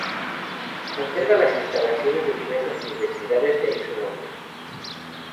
Alberga las instalaciones de diversas universidades, de ahí su nombre.